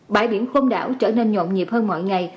bãi biển côn đảo trở nên nhộn nhịp hơn mọi ngày